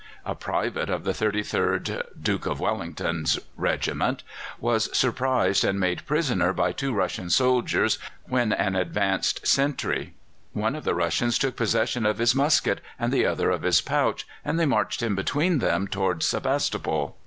A private of the 33rd (Duke of Wellington's) Regiment was surprised and made prisoner by two Russian soldiers when an advanced sentry. One of the Russians took possession of his musket and the other of his pouch, and they marched him between them towards Sebastopol.